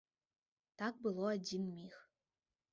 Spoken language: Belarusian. Так было адзін міг.